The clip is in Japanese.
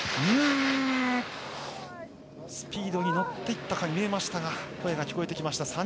スピードに乗っていったように見えましたが声が聞こえてきました。